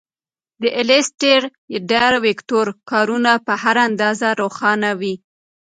د ایلیسټریټر ویکتور کارونه په هر اندازه روښانه وي.